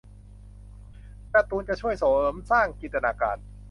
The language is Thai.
การ์ตูนจะช่วยเสริมสร้างจินตนาการ